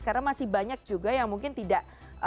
karena masih banyak juga yang mungkin tidak